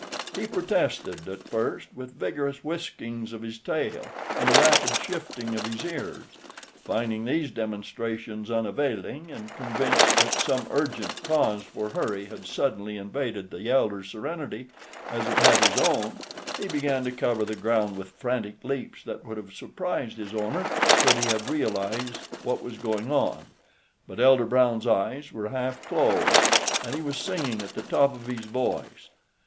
He protested, at first, with vigorous whiskings of his tail and a rapid shifting of his ears. Finding these demonstrations unavailing, and convinced that some urgent cause for hurry had suddenly invaded the elder's serenity, as it had his own, he began to cover the ground with frantic leaps that would have surprised his owner could he have realized what was going on. But Elder Brown's eyes were half closed, and he was singing at the top of his voice.